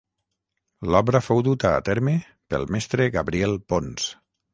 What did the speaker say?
L'obra fou duta a terme pel mestre Gabriel Pons.